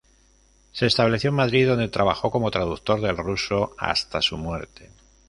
Se estableció en Madrid, donde trabajó como traductor del ruso hasta su muerte.